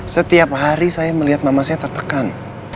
setiap hari saya melihat mama saya tertekan